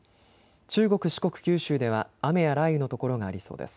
中国、四国、九州では雨や雷雨の所がありそうです。